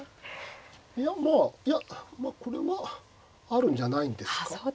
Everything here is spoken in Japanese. いやまあいやこれはあるんじゃないんですか。